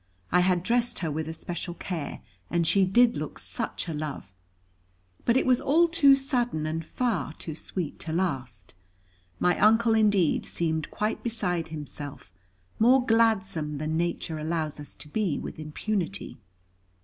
I had dressed her with especial care, and she did look such a love! But it was all too sudden, and far too sweet to last. My Uncle indeed seemed quite beside himself, more gladsome than nature allows us to be with impunity.